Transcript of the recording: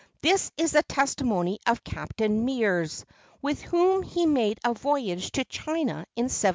This is the testimony of Captain Meares, with whom he made a voyage to China in 1787.